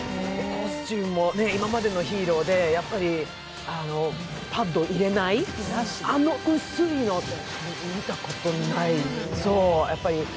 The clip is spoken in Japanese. コスチュームも今までのヒーローでパッドを入れない、あの薄いの、見たことない。